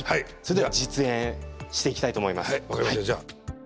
それでは実演していきたいと思います。